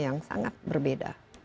yang sangat berbeda